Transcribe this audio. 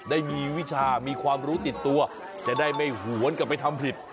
ได้มีวิชามีความรู้ติดตัวจะได้ไม่หวนกลับไปทำผิด